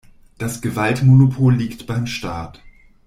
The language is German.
Das Gewaltmonopol liegt beim Staat.